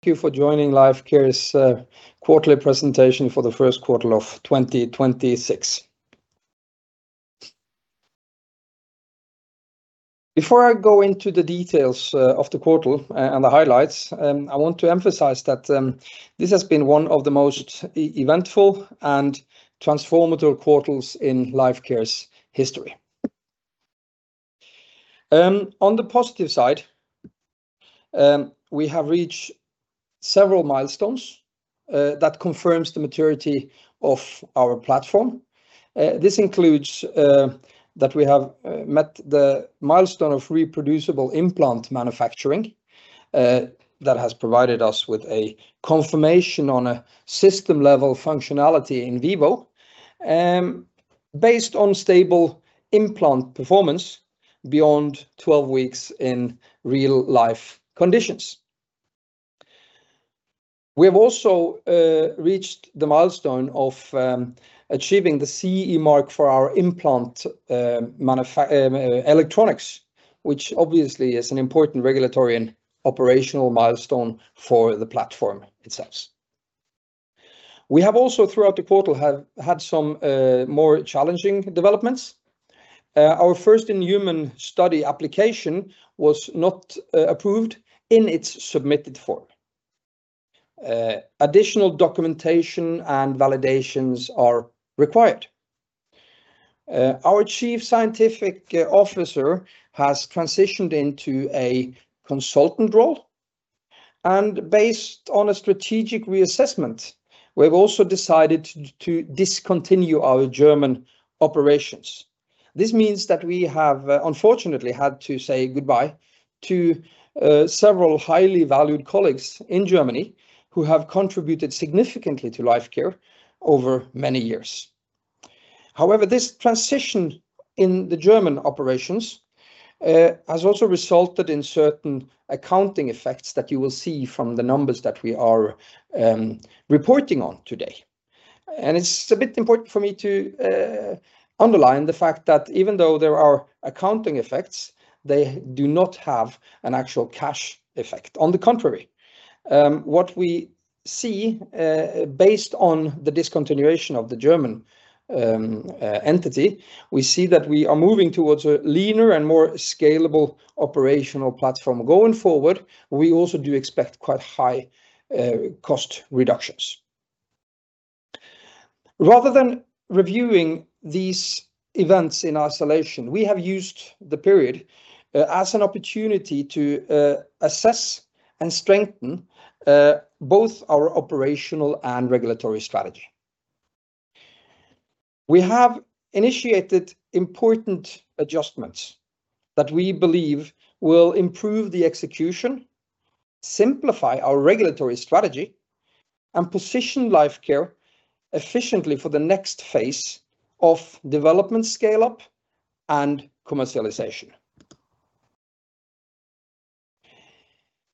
Thank you for joining Lifecare's quarterly presentation for the first quarter of 2026. Before I go into the details of the quarter and the highlights, I want to emphasize that this has been one of the most eventful and transformative quarters in Lifecare's history. On the positive side, we have reached several milestones that confirms the maturity of our platform. This includes that we have met the milestone of reproducible implant manufacturing that has provided us with a confirmation on a system-level functionality in vivo based on stable implant performance beyond 12 weeks in real-life conditions. We have also reached the milestone of achieving the CE mark for our implant electronics, which obviously is an important regulatory and operational milestone for the platform itself. We have also, throughout the quarter, have had some more challenging developments. Our first-in-human study application was not approved in its submitted form. Additional documentation and validations are required. Our Chief Scientific Officer has transitioned into a consultant role, and based on a strategic reassessment, we have also decided to discontinue our German operations. This means that we have unfortunately had to say goodbye to several highly valued colleagues in Germany who have contributed significantly to Lifecare over many years. However, this transition in the German operations has also resulted in certain accounting effects that you will see from the numbers that we are reporting on today. It's a bit important for me to underline the fact that even though there are accounting effects, they do not have an actual cash effect. On the contrary, what we see, based on the discontinuation of the German entity, we see that we are moving towards a leaner and more scalable operational platform. Going forward, we also do expect quite high cost reductions. Rather than reviewing these events in isolation, we have used the period as an opportunity to assess and strengthen both our operational and regulatory strategy. We have initiated important adjustments that we believe will improve the execution, simplify our regulatory strategy, and position Lifecare efficiently for the next phase of development scale-up and commercialization.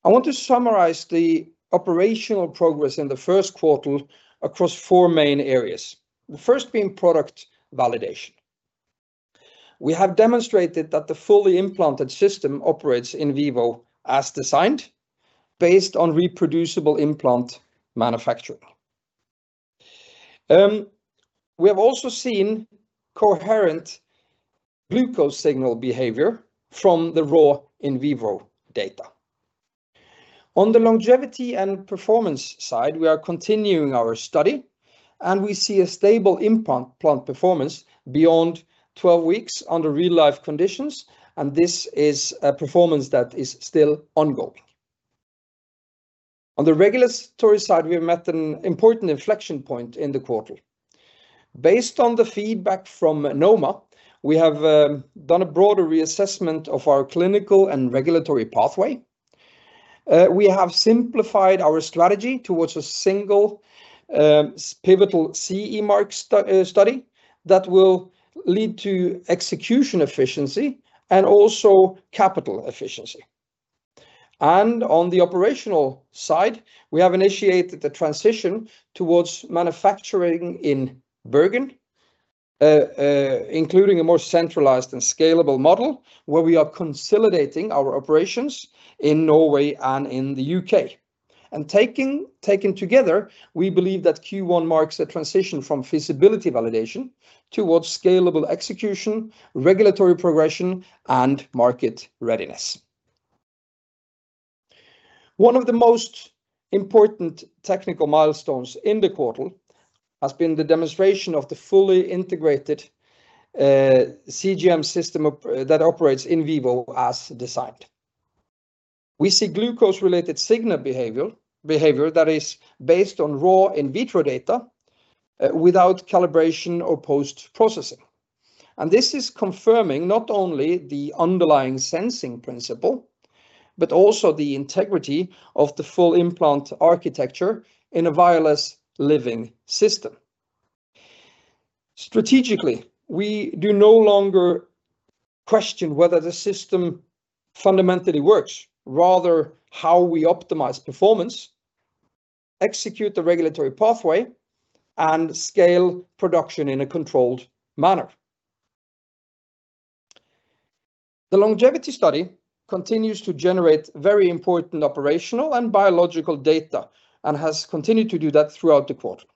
I want to summarize the operational progress in the first quarter across four main areas. The first being product validation. We have demonstrated that the fully implanted system operates in vivo as designed based on reproducible implant manufacturing. We have also seen coherent glucose signal behavior from the raw in vivo data. On the longevity and performance side, we are continuing our study, and we see a stable implant performance beyond 12 weeks under real-life conditions, and this is a performance that is still ongoing. On the regulatory side, we have met an important inflection point in the quarter. Based on the feedback from Norwegian Medical Products Agency, we have done a broader reassessment of our clinical and regulatory pathway. We have simplified our strategy towards a single pivotal CE mark study that will lead to execution efficiency and also capital efficiency. On the operational side, we have initiated the transition towards manufacturing in Bergen, including a more centralized and scalable model where we are consolidating our operations in Norway and in the U.K. Taken together, we believe that Q1 marks a transition from feasibility validation towards scalable execution, regulatory progression, and market readiness. One of the most important technical milestones in the quarter has been the demonstration of the fully integrated CGM system that operates in vivo as designed. We see glucose-related signal behavior that is based on raw in vitro data without calibration or post-processing. This is confirming not only the underlying sensing principle but also the integrity of the full implant architecture in a wireless living system. Strategically, we do no longer question whether the system fundamentally works, rather how we optimize performance, execute the regulatory pathway, and scale production in a controlled manner. The longevity study continues to generate very important operational and biological data, and has continued to do that throughout the quarter.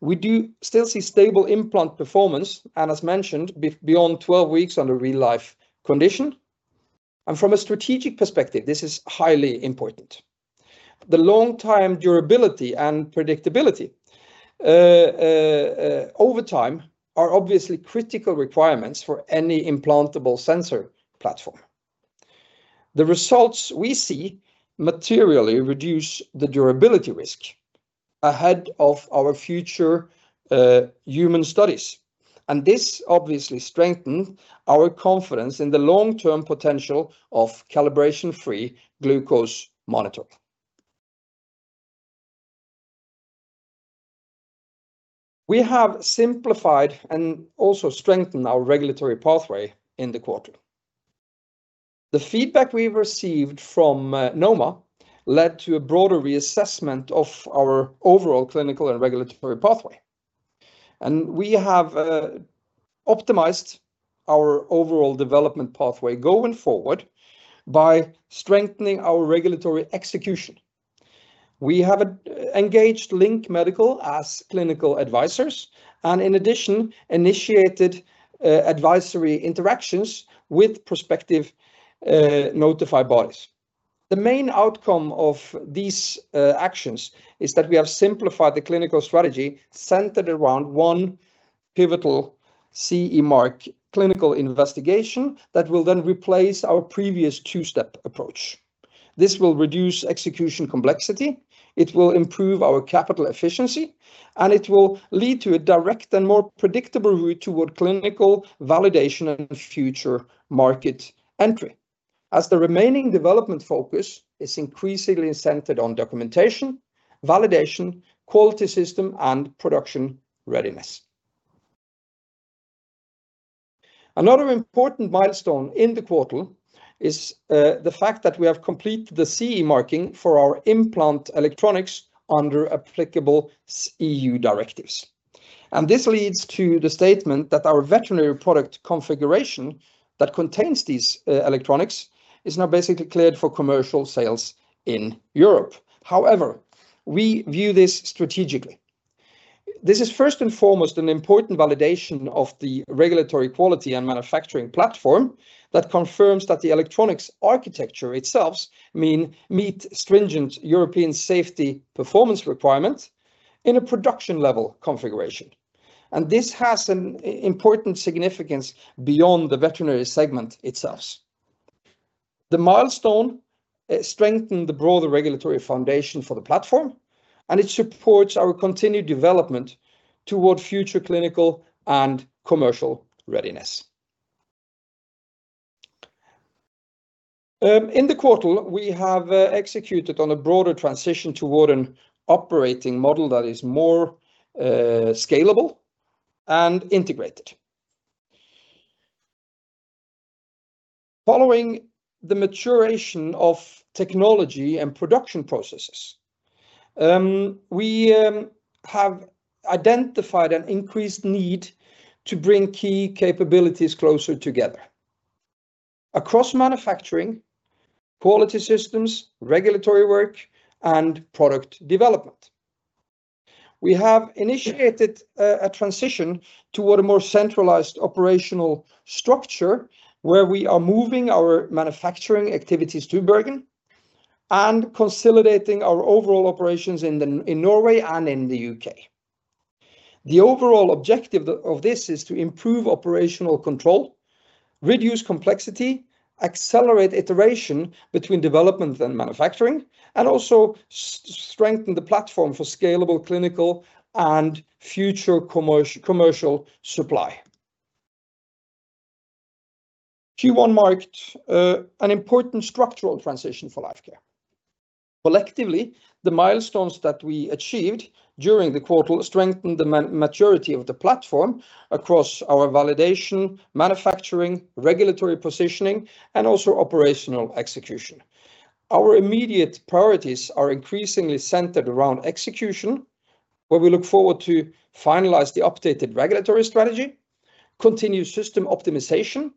We do still see stable implant performance, as mentioned, beyond 12 weeks under real-life condition. From a strategic perspective, this is highly important. The long-time durability and predictability over time are obviously critical requirements for any implantable sensor platform. The results we see materially reduce the durability risk ahead of our future human studies, and this obviously strengthen our confidence in the long-term potential of calibration-free glucose monitoring. We have simplified and also strengthened our regulatory pathway in the quarter. The feedback we received from Norwegian Medical Products Agency led to a broader reassessment of our overall clinical and regulatory pathway. We have optimized our overall development pathway going forward by strengthening our regulatory execution. We have engaged LINK Medical as clinical advisors and, in addition, initiated advisory interactions with prospective notified bodies. The main outcome of these actions is that we have simplified the clinical strategy centered around one pivotal CE mark clinical investigation that will then replace our previous two-step approach. This will reduce execution complexity, it will improve our capital efficiency, and it will lead to a direct and more predictable route toward clinical validation and future market entry, as the remaining development focus is increasingly centered on documentation, validation, quality system, and production readiness. Another important milestone in the quarter is the fact that we have completed the CE marking for our implant electronics under applicable EU directives. This leads to the statement that our veterinary product configuration that contains these electronics is now basically cleared for commercial sales in Europe. However, we view this strategically. This is first and foremost an important validation of the regulatory quality and manufacturing platform that confirms that the electronics architecture itself meet stringent European safety performance requirement in a production level configuration. This has an important significance beyond the veterinary segment itself. The milestone strengthened the broader regulatory foundation for the platform, and it supports our continued development toward future clinical and commercial readiness. In the quarter, we have executed on a broader transition toward an operating model that is more scalable and integrated. Following the maturation of technology and production processes, we have identified an increased need to bring key capabilities closer together across manufacturing, quality systems, regulatory work, and product development. We have initiated a transition toward a more centralized operational structure where we are moving our manufacturing activities to Bergen and consolidating our overall operations in Norway and in the U.K. The overall objective of this is to improve operational control, reduce complexity, accelerate iteration between development and manufacturing, and also strengthen the platform for scalable clinical and future commercial supply. Q1 marked an important structural transition for Lifecare. Collectively, the milestones that we achieved during the quarter strengthen the maturity of the platform across our validation, manufacturing, regulatory positioning, and also operational execution. Our immediate priorities are increasingly centered around execution, where we look forward to finalize the updated regulatory strategy, continue system optimization,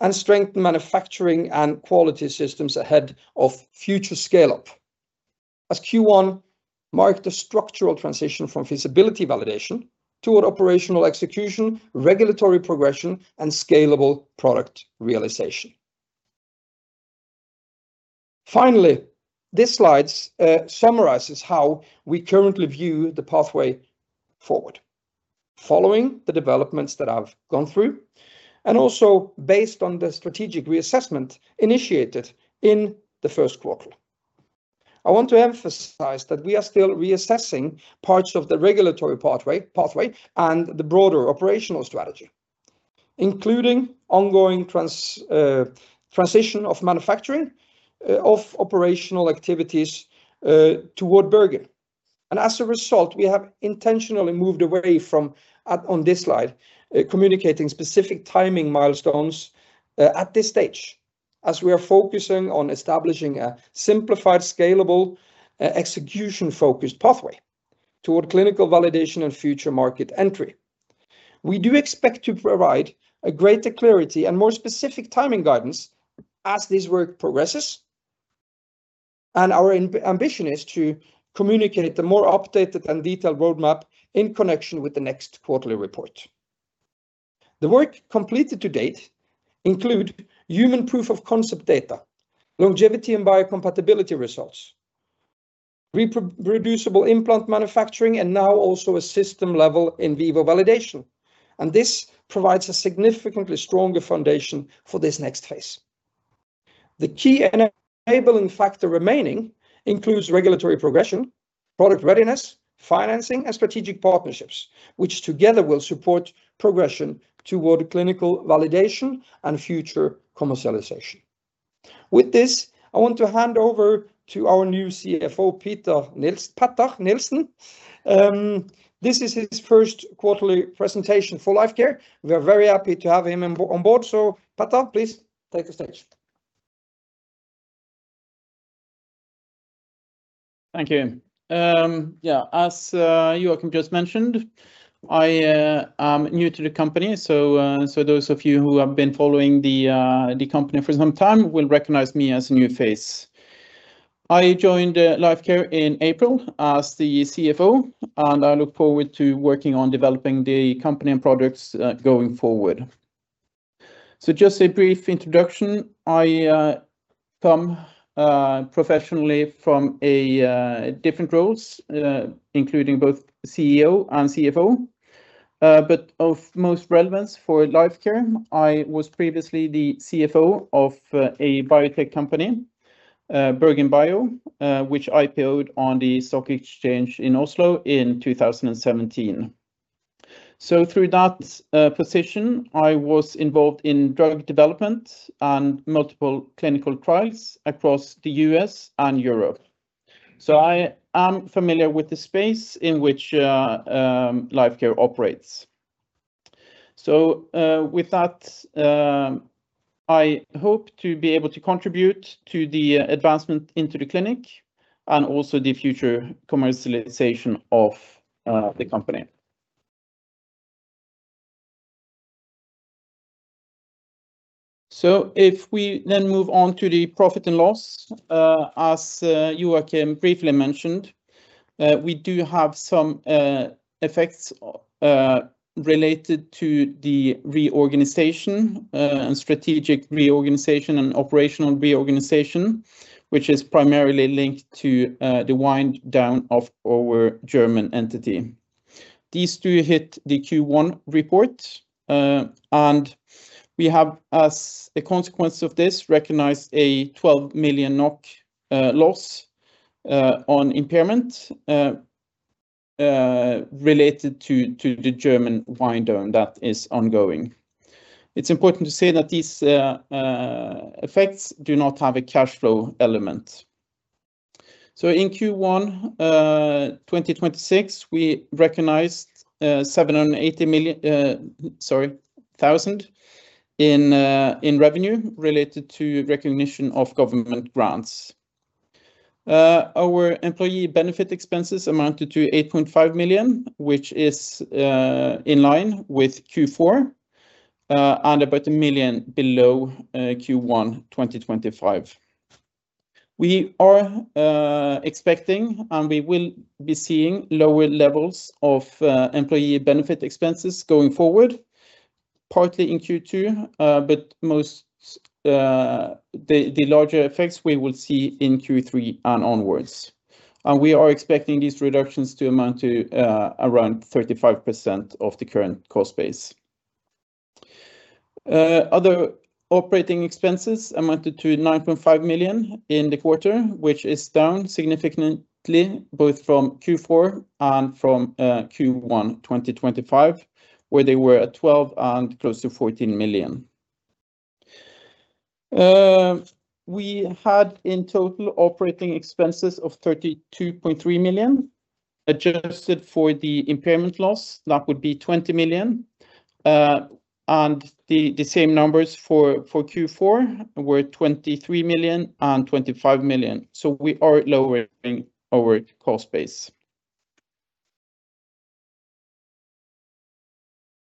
and strengthen manufacturing and quality systems ahead of future scale-up, as Q1 marked a structural transition from feasibility validation toward operational execution, regulatory progression, and scalable product realization. Finally, this slide summarizes how we currently view the pathway forward following the developments that I've gone through and also based on the strategic reassessment initiated in the first quarter. I want to emphasize that we are still reassessing parts of the regulatory pathway and the broader operational strategy, including ongoing transition of manufacturing of operational activities toward Bergen. As a result, we have intentionally moved away from on this slide, communicating specific timing milestones at this stage, as we are focusing on establishing a simplified, scalable, execution-focused pathway toward clinical validation and future market entry. We do expect to provide a greater clarity and more specific timing guidance as this work progresses. Our ambition is to communicate the more updated and detailed roadmap in connection with the next quarterly report. The work completed to date include human proof of concept data, longevity and biocompatibility results, reproducible implant manufacturing, and now also a system-level in vivo validation, and this provides a significantly stronger foundation for this next phase. The key enabling factor remaining includes regulatory progression, product readiness, financing, and strategic partnerships, which together will support progression toward clinical validation and future commercialization. With this, I want to hand over to our new CFO, Petter Nielsen. This is his first quarterly presentation for Lifecare. We are very happy to have him on board. Petter, please take the stage. Thank you. As Joacim Holter just mentioned, I am new to the company, so those of you who have been following the company for some time will recognize me as a new face. I joined Lifecare in April as the CFO, and I look forward to working on developing the company and products going forward. Just a brief introduction, I come professionally from different roles, including both CEO and CFO. But of most relevance for Lifecare, I was previously the CFO of a biotech company, BerGenBio, which IPO'd on the stock exchange in Oslo in 2017. Through that position, I was involved in drug development and multiple clinical trials across the U.S. and Europe. I am familiar with the space in which Lifecare operates. With that, I hope to be able to contribute to the advancement into the clinic and also the future commercialization of the company. If we then move on to the profit and loss, as Joacim Holter briefly mentioned, we do have some effects related to the reorganization, and strategic reorganization and operational reorganization, which is primarily linked to the wind down of our German entity. These two hit the Q1 report. And we have, as a consequence of this, recognized a 12 million NOK loss on impairment related to the German wind down that is ongoing. It's important to say that these effects do not have a cash flow element. In Q1 2026, we recognized 780 thousand in revenue related to recognition of government grants. Our employee benefit expenses amounted to 8.5 million, which is in line with Q4, and about 1 million below Q1 2025. We are expecting, and we will be seeing lower levels of employee benefit expenses going forward, partly in Q2. Most, the larger effects we will see in Q3 and onwards. We are expecting these reductions to amount to around 35% of the current cost base. Other operating expenses amounted to 9.5 million in the quarter, which is down significantly, both from Q4 and from Q1 2025, where they were at 12 million and close to 14 million. We had in total operating expenses of 32.3 million. Adjusted for the impairment loss, that would be 20 million. The same numbers for Q4 were 23 million and 25 million. We are lowering our cost base.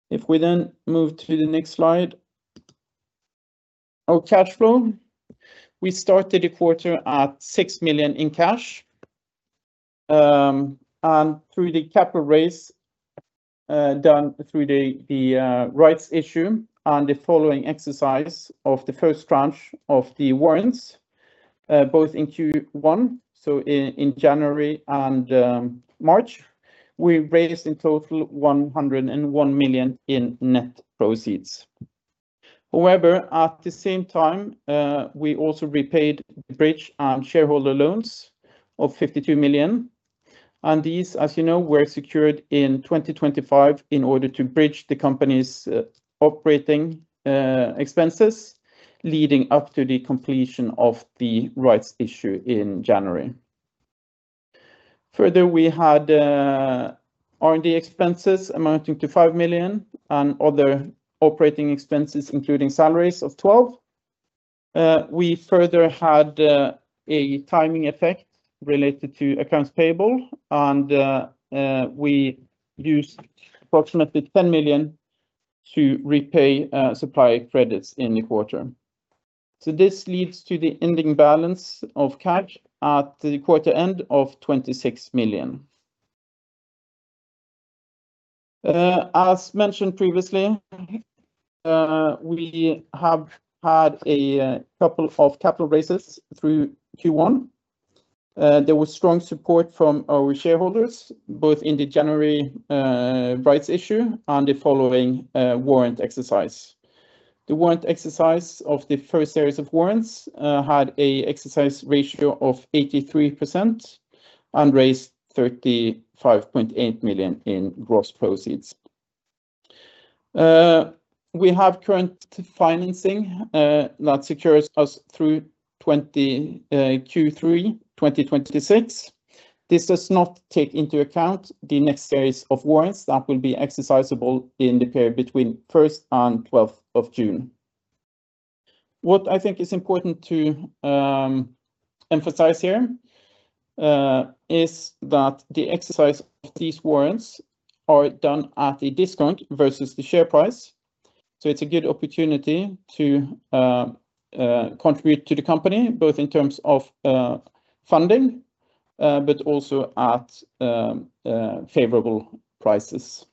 If we then move to the next slide, our cash flow. We started the quarter at 6 million in cash. Through the capital raise, done through the rights issue and the following exercise of the first tranche of the warrants, both in Q1, so in January and March, we raised in total 101 million in net proceeds. At the same time, we also repaid the bridge and shareholder loans of 52 million, and these, as you know, were secured in 2025 in order to bridge the company's operating expenses leading up to the completion of the rights issue in January. Further, we had R&D expenses amounting to 5 million and other operating expenses, including salaries of 12. We further had a timing effect related to accounts payable and we used approximately 10 million to repay supply credits in the quarter. This leads to the ending balance of cash at the quarter end of 26 million. As mentioned previously, we have had a couple of capital raises through Q1. There was strong support from our shareholders, both in the January rights issue and the following warrant exercise. The warrant exercise of the first series of warrants had an exercise ratio of 83% and raised 35.8 million in gross proceeds. We have current financing that secures us through Q3 2026. This does not take into account the next series of warrants that will be exercisable in the period between first and 12th of June. What I think is important to emphasize here is that the exercise of these warrants are done at a discount versus the share price. It's a good opportunity to contribute to the company, both in terms of funding, but also at favorable prices.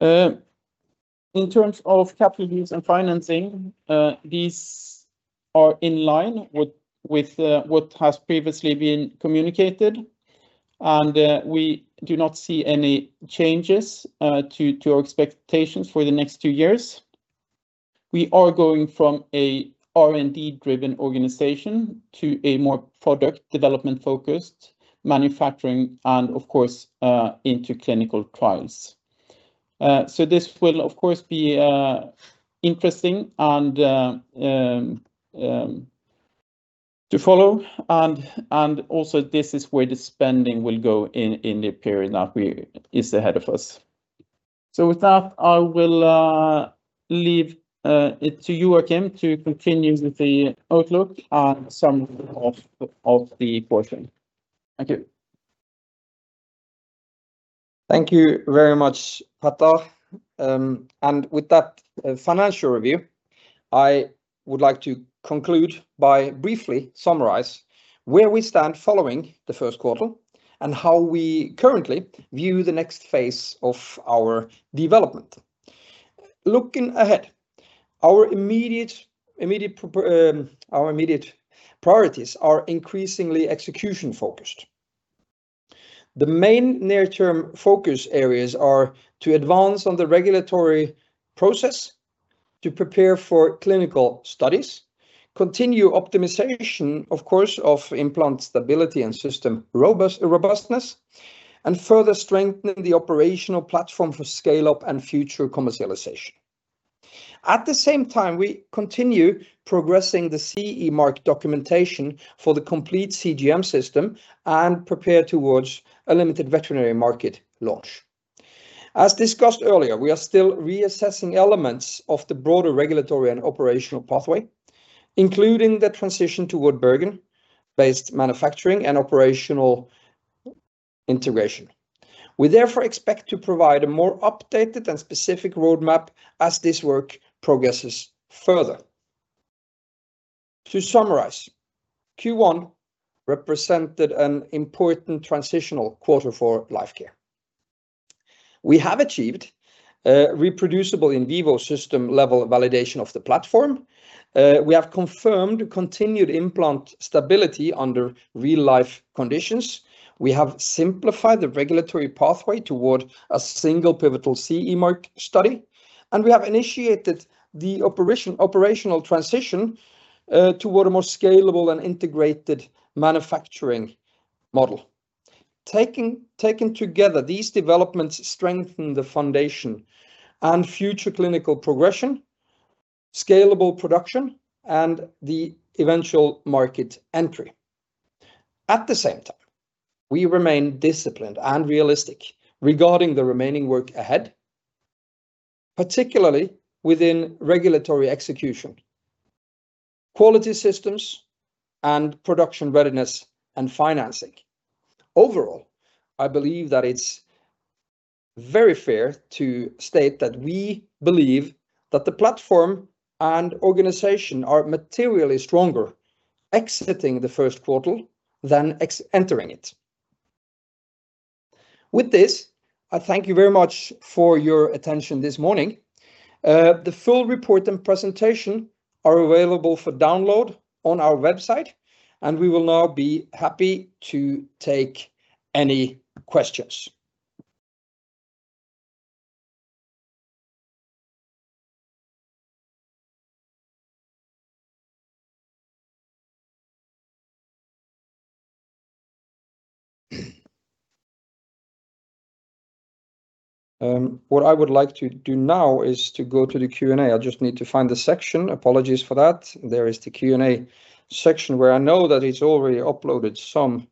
In terms of capital use and financing, these are in line with what has previously been communicated and we do not see any changes to our expectations for the next two years. We are going from an R&D-driven organization to a more product development-focused manufacturing and of course, into clinical trials. This will of course be interesting and to follow and also this is where the spending will go in the period that is ahead of us. With that, I will leave it to you, Joacim, to continue with the outlook and summary of the quarter. Thank you. Thank you very much, Petter. With that financial review, I would like to conclude by briefly summarize where we stand following the first quarter and how we currently view the next phase of our development. Looking ahead, our immediate priorities are increasingly execution-focused. The main near-term focus areas are to advance on the regulatory process to prepare for clinical studies, continue optimization, of course, of implant stability and system robustness, and further strengthening the operational platform for scale-up and future commercialization. At the same time, we continue progressing the CE mark documentation for the complete CGM system and prepare towards a limited veterinary market launch. As discussed earlier, we are still reassessing elements of the broader regulatory and operational pathway, including the transition toward Bergen-based manufacturing and operational integration. We therefore expect to provide a more updated and specific roadmap as this work progresses further. To summarize, Q1 represented an important transitional quarter for Lifecare. We have achieved reproducible in vivo system-level validation of the platform. We have confirmed continued implant stability under real-life conditions. We have simplified the regulatory pathway toward a single pivotal CE mark study, and we have initiated the operational transition toward a more scalable and integrated manufacturing model. Taken together, these developments strengthen the foundation and future clinical progression, scalable production, and the eventual market entry. At the same time, we remain disciplined and realistic regarding the remaining work ahead, particularly within regulatory execution, quality systems, and production readiness and financing. Overall, I believe that it's very fair to state that we believe that the platform and organization are materially stronger exiting the first quarter than entering it. With this, I thank you very much for your attention this morning. The full report and presentation are available for download on our website. We will now be happy to take any questions. What I would like to do now is to go to the Q&A. I just need to find the section. Apologies for that. There is the Q&A section where I know that it's already uploaded some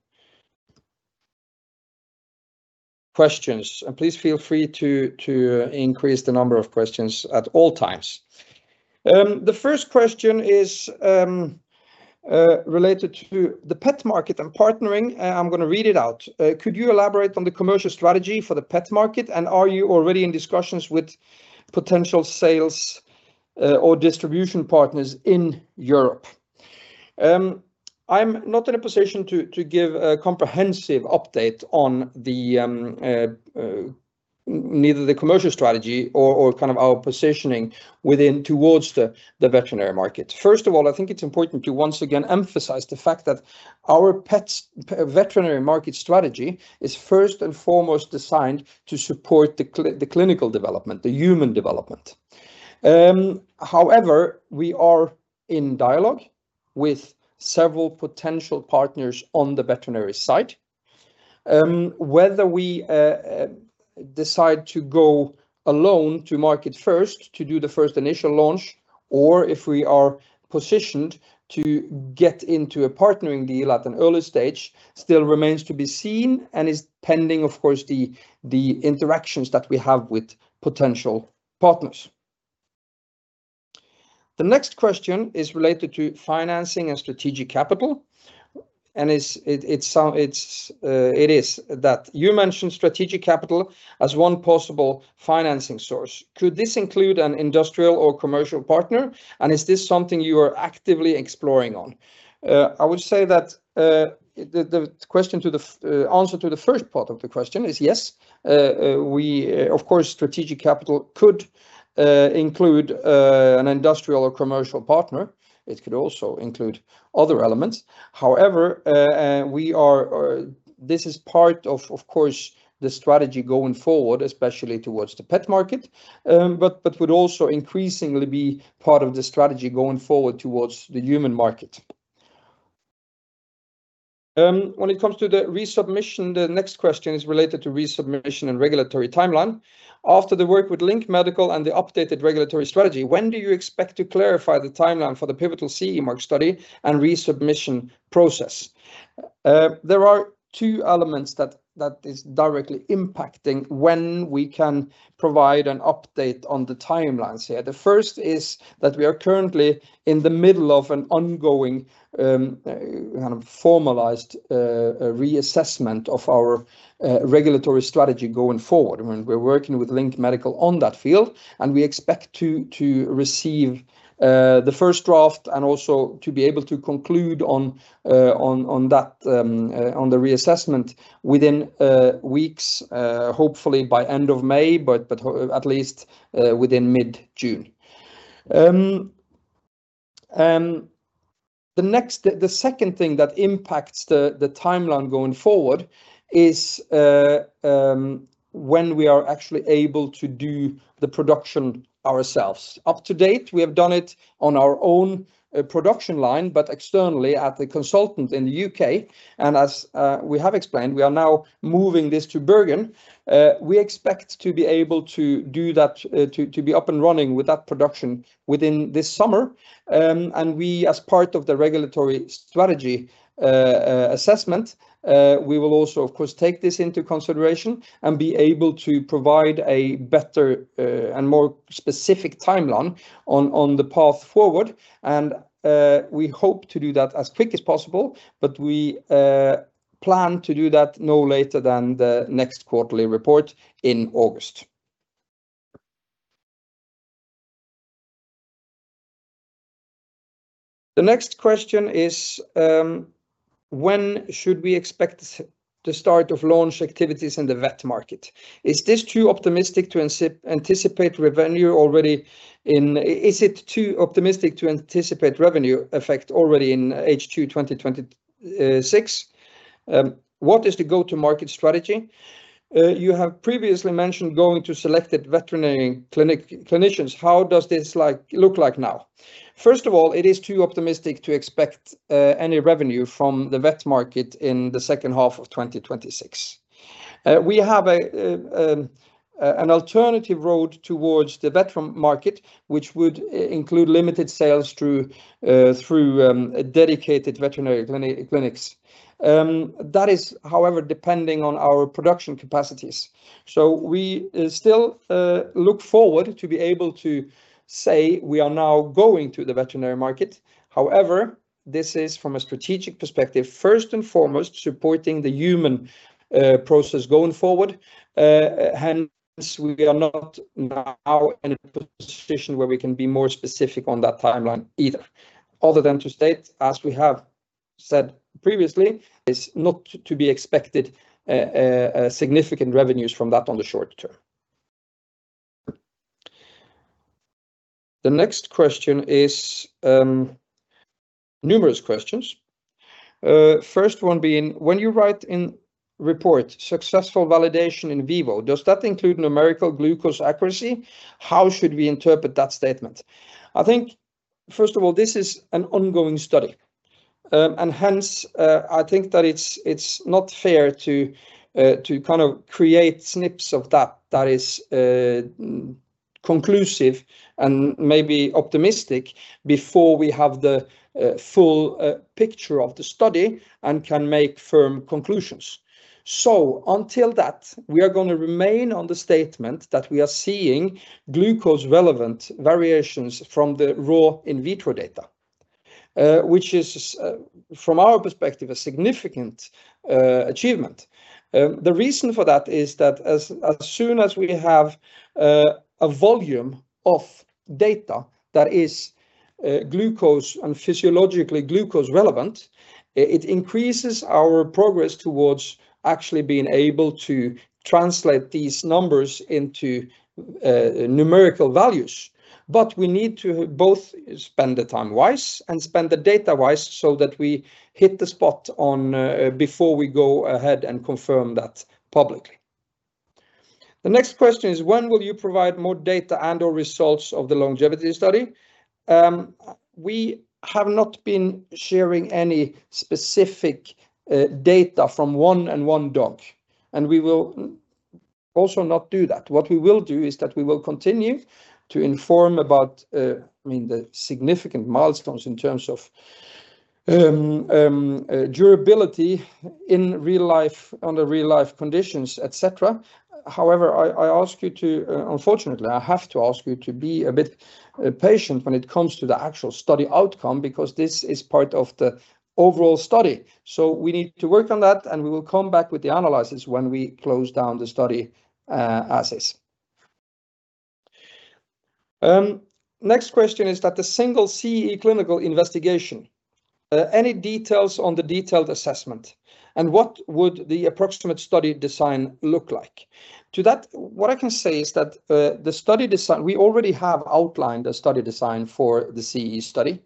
questions. Please feel free to increase the number of questions at all times. The first question is related to the pet market and partnering. I'm going to read it out. Could you elaborate on the commercial strategy for the pet market? Are you already in discussions with potential sales or distribution partners in Europe? I'm not in a position to give a comprehensive update on neither the commercial strategy or kind of our positioning within towards the veterinary market. First of all, I think it's important to once again emphasize the fact that our pets, veterinary market strategy is first and foremost designed to support the clinical development, the human development. However, we are in dialogue with several potential partners on the veterinary side. Whether we decide to go alone to market first to do the first initial launch or if we are positioned to get into a partnering deal at an early stage still remains to be seen and is pending, of course, the interactions that we have with potential partners. The next question is related to financing and strategic capital. You mentioned strategic capital as one possible financing source. Could this include an industrial or commercial partner, and is this something you are actively exploring on? I would say that the answer to the first part of the question is yes. We, of course, strategic capital could include an industrial or commercial partner. It could also include other elements. However, This is part of course, the strategy going forward, especially towards the pet market, but would also increasingly be part of the strategy going forward towards the human market. When it comes to the resubmission, the next question is related to resubmission and regulatory timeline. After the work with LINK Medical and the updated regulatory strategy, when do you expect to clarify the timeline for the pivotal CE mark study and resubmission process? There are two elements that is directly impacting when we can provide an update on the timelines here. The first is that we are currently in the middle of an ongoing, kind of formalized, reassessment of our regulatory strategy going forward. We're working with LINK Medical on that field, and we expect to receive the first draft and also to be able to conclude on that on the reassessment within weeks, hopefully by end of May but at least within mid-June. The next, the second thing that impacts the timeline going forward is when we are actually able to do the production ourselves. Up to date, we have done it on our own production line but externally at the consultant in the U.K. As we have explained, we are now moving this to Bergen. We expect to be able to do that, to be up and running with that production within this summer. We, as part of the regulatory strategy assessment, we will also, of course, take this into consideration and be able to provide a better and more specific timeline on the path forward and we hope to do that as quick as possible, but we plan to do that no later than the next quarterly report in August. The next question is, when should we expect the start of launch activities in the vet market? Is it too optimistic to anticipate revenue effect already in H2 2026? What is the go-to-market strategy? You have previously mentioned going to selected veterinarian clinicians. How does this like, look like now? First of all, it is too optimistic to expect any revenue from the vet market in the second half of 2026. We have an alternative road towards the veterinary market, which would include limited sales through dedicated veterinary clinics. That is, however, depending on our production capacities. We still look forward to be able to say we are now going to the veterinary market. However, this is from a strategic perspective first and foremost supporting the human process going forward. Hence, we are not now in a position where we can be more specific on that timeline either. Other than to state, as we have said previously, is not to be expected significant revenues from that on the short term. The next question is numerous questions. First one being, when you write in report successful validation in vivo, does that include numerical glucose accuracy? How should we interpret that statement? I think, first of all, this is an ongoing study. Hence, I think that it's not fair to to kind of create snips of that that is conclusive and maybe optimistic before we have the full picture of the study and can make firm conclusions. Until that, we are going to remain on the statement that we are seeing glucose relevant variations from the raw in vitro data, which is from our perspective, a significant achievement. The reason for that is that as soon as we have a volume of data that is glucose and physiologically glucose relevant, it increases our progress towards actually being able to translate these numbers into numerical values. We need to both spend the time wise and spend the data wise so that we hit the spot on before we go ahead and confirm that publicly. The next question is, when will you provide more data and or results of the longevity study? We have not been sharing any specific data from one and one dog, and we will also not do that. What we will do is that we will continue to inform about, I mean, the significant milestones in terms of durability in real life on the real life conditions, et cetera. However, I ask you to, unfortunately, I have to ask you to be a bit patient when it comes to the actual study outcome because this is part of the overall study. We need to work on that and we will come back with the analysis when we close down the study assets. Next question is that the single CE clinical investigation, any details on the detailed assessment, and what would the approximate study design look like? To that, what I can say is that the study design, we already have outlined a study design for the CE study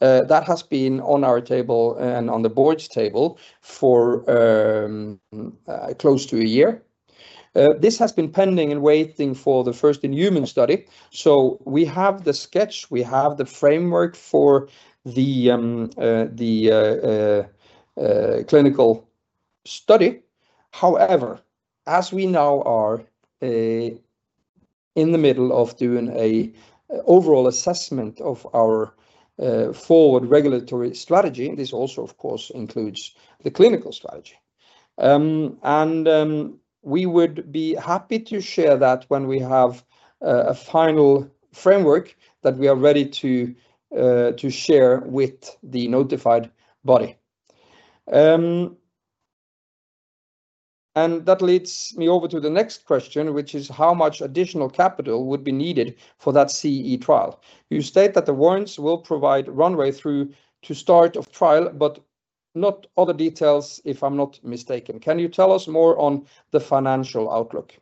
that has been on our table and on the board's table for close to a year. This has been pending and waiting for the first-in-human study. We have the sketch, we have the framework for the clinical study. As we now are in the middle of doing an overall assessment of our forward regulatory strategy, this also of course includes the clinical strategy. We would be happy to share that when we have a final framework that we are ready to share with the notified body. And that leads me over to the next question which is how much additional capital would be needed for that CE trial. You state that the warrants will provide runway through to start of trial, but not all the details if I'm not mistaken. Can you tell us more on the financial outlook?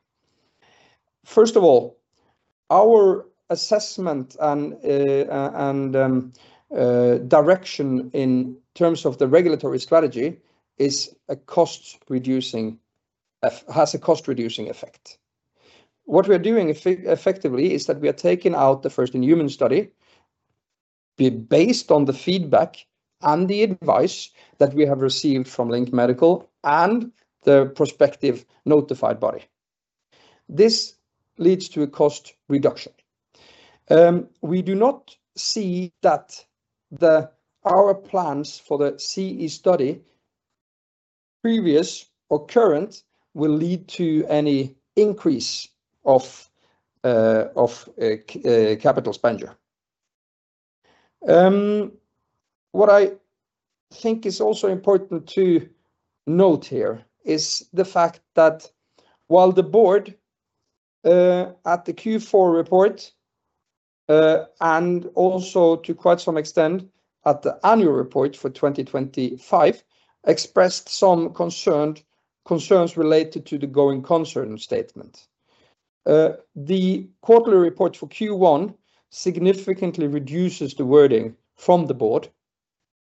First of all, our assessment and direction in terms of the regulatory strategy is a cost reducing effect. What we are doing effectively is that we are taking out the first-in-human study based on the feedback and the advice that we have received from LINK Medical and the prospective notified body. This leads to a cost reduction. We do not see that the, our plans for the CE study previous or current will lead to any increase of capital expenditure. What I think is also important to note here is the fact that while the board, at the Q4 report, and also to quite some extent at the annual report for 2025 expressed some concerns related to the going concern statement. The quarterly report for Q1 significantly reduces the wording from the board,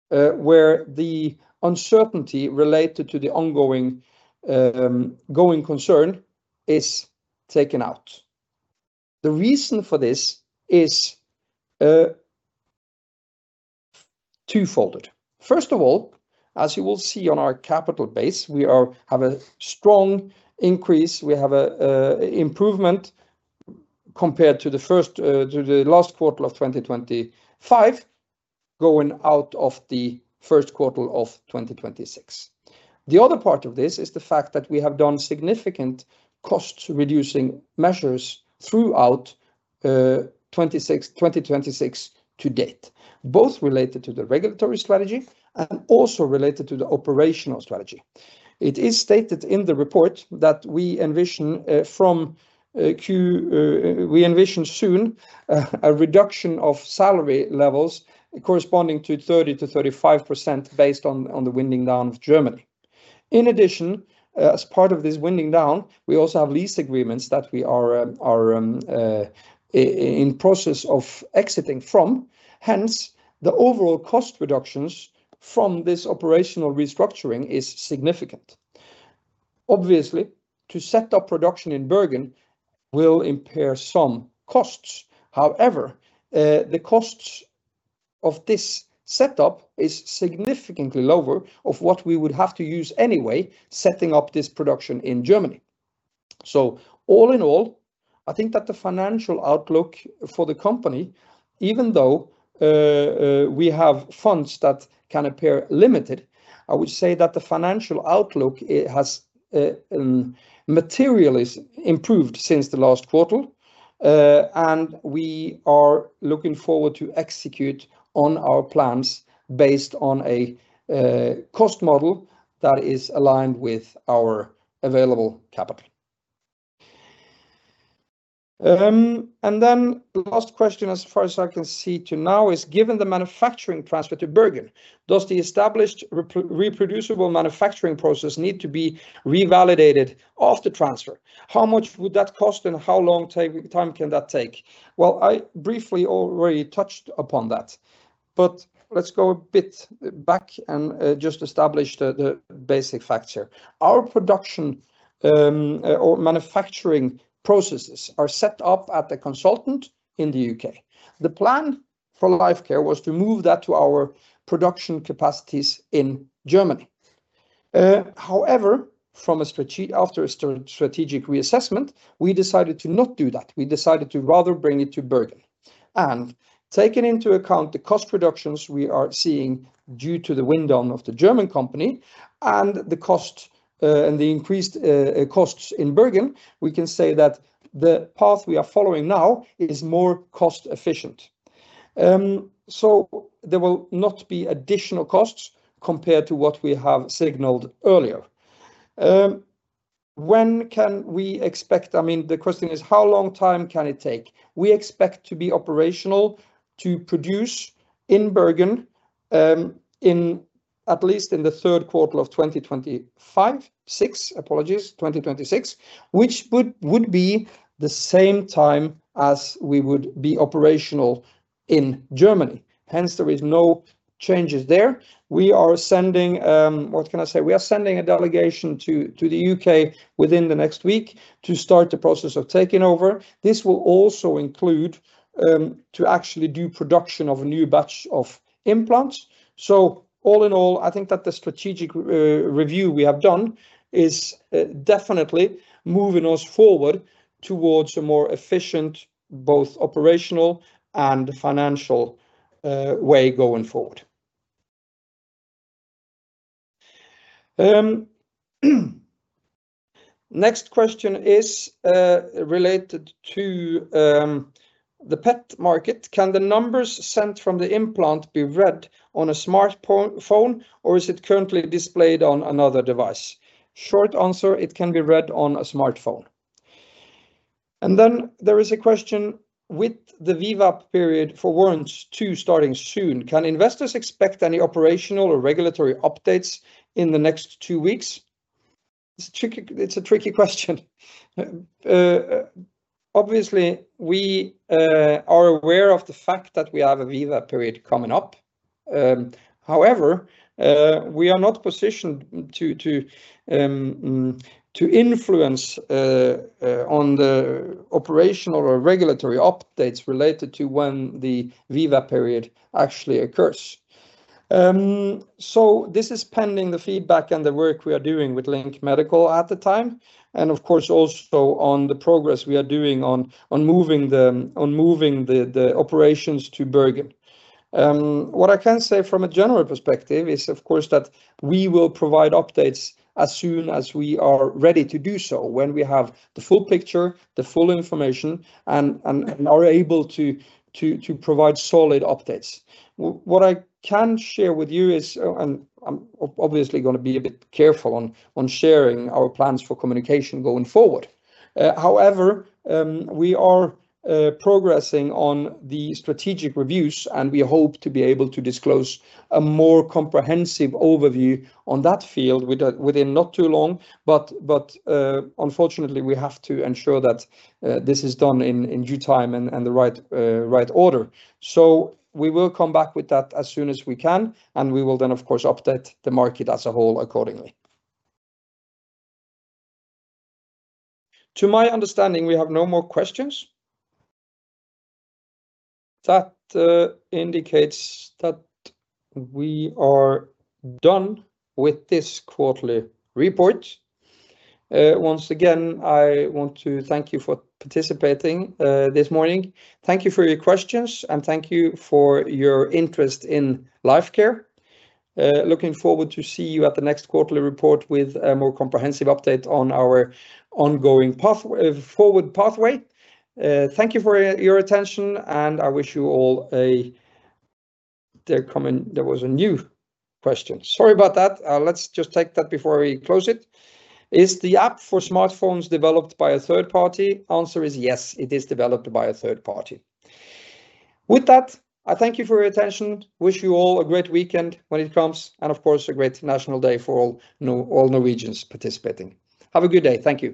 where the uncertainty related to the ongoing going concern is taken out. The reason for this is twofold. First of all, as you will see on our capital base, we have a strong increase. We have a improvement compared to the first, to the last quarter of 2025 going out of the first quarter of 2026. The other part of this is the fact that we have done significant cost reducing measures throughout 2026 to date, both related to the regulatory strategy and also related to the operational strategy. It is stated in the report that we envision from Q2, we envision soon a reduction of salary levels corresponding to 30% to 35% based on the winding down of Germany. In addition, as part of this winding down, we also have lease agreements that we are in process of exiting from hence the overall cost reductions from this operational restructuring is significant. Obviously, to set up production in Bergen will impair some costs. However, the costs of this setup is significantly lower of what we would have to use anyway setting up this production in Germany. All in all, I think that the financial outlook for the company, even though we have funds that can appear limited, I would say that the financial outlook, it has materially is improved since the last quarter. We are looking forward to execute on our plans based on a cost model that is aligned with our available capital. The last question as far as I can see to now is, given the manufacturing transfer to Bergen, does the established reproducible manufacturing process need to be revalidated after transfer? How much would that cost, and how long time can that take? Well, I briefly already touched upon that. Let's go a bit back and just establish the basic facts here. Our production or manufacturing processes are set up at the consultant in the U.K. The plan for Lifecare was to move that to our production capacities in Germany. However, after a strategic reassessment, we decided to not do that. We decided to rather bring it to Bergen. Taking into account the cost reductions we are seeing due to the wind down of the German company and the increased costs in Bergen, we can say that the path we are following now is more cost-efficient. There will not be additional costs compared to what we have signaled earlier. When can we expect I mean, the question is how long time can it take? We expect to be operational to produce in Bergen in at least the third quarter of 2026, which would be the same time as we would be operational in Germany. Hence, there is no changes there. We are sending a delegation to the U.K. within the next week to start the process of taking over. This will also include to actually do production of a new batch of implants. All in all, I think that the strategic review we have done is definitely moving us forward towards a more efficient, both operational and financial way going forward. Next question is related to the pet market. Can the numbers sent from the implant be read on a smartphone, or is it currently displayed on another device? Short answer, it can be read on a smartphone. Then there is a question, with the warrant period for warrants two starting soon, can investors expect any operational or regulatory updates in the next two weeks? It's tricky. It's a tricky question. Obviously, we are aware of the fact that we have a warrant period coming up. We are not positioned to influence on the operational or regulatory updates related to when the warrant period actually occurs. This is pending the feedback and the work we are doing with LINK Medical at the time and of course also on the progress we are doing on moving the operations to Bergen. What I can say from a general perspective is, of course, that we will provide updates as soon as we are ready to do so, when we have the full picture, the full information and are able to provide solid updates. What I can share with you is, and I'm obviously gonna be a bit careful on sharing our plans for communication going forward. However, we are progressing on the strategic reviews, and we hope to be able to disclose a more comprehensive overview on that field within not too long, but unfortunately, we have to ensure that this is done in due time and the right order. We will come back with that as soon as we can, and we will then, of course, update the market as a whole accordingly. To my understanding, we have no more questions. That indicates that we are done with this quarterly report. Once again, I want to thank you for participating this morning. Thank you for your questions. Thank you for your interest in Lifecare. Looking forward to see you at the next quarterly report with a more comprehensive update on our ongoing path, forward pathway. Thank you for your attention. There was a new question. Sorry about that. Let's just take that before we close it. Is the app for smartphones developed by a third party? Answer is yes, it is developed by a third party. With that, I thank you for your attention. Wish you all a great weekend when it comes and of course, a great National Day for all Norwegians participating. Have a good day. Thank you.